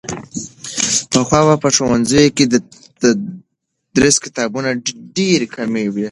پخوا به په ښوونځیو کې د درسي کتابونو ډېر کمی و.